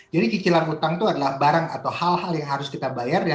jadi cicilan utang itu adalah barang atau hal hal yang harus kita bayar